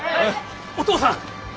お義父さん！